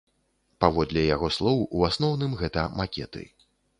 Паводле яго слоў, у асноўным гэта макеты.